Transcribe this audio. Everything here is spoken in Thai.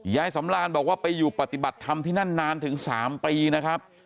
ยายสำรานบอกว่าไปอยู่ปฏิบัติธรรมที่นั่นนานถึง๓ปีนะครับ